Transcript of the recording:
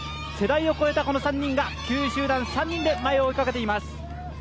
世代を超えた３人が、９位集団３人で前を追いかけています。